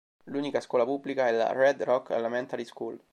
L'unica scuola pubblica è la Red Rock Elementary School.